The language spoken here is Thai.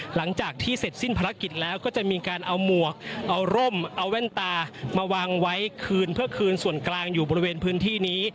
หลังจากที่เสร็จสิ้นภารกิจแล้วก็จะมีการเอาหมวกเอาร่มเอาแว่นตามาวางไว้คืนเพื่อคืนส่วนกลางอยู่บริเวณพื้นที่นี้